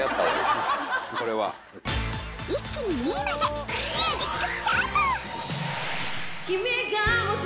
［一気に２位までミュージックスタート！］